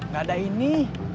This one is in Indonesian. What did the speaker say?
gak ada ini